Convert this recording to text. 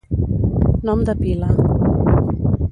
Nom de pila.